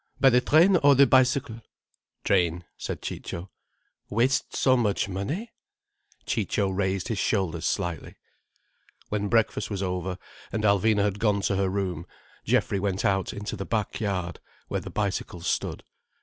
By the train, or the bicycle?" "Train," said Ciccio. "Waste so much money?" Ciccio raised his shoulders slightly. When breakfast was over, and Alvina had gone to her room, Geoffrey went out into the back yard, where the bicycles stood.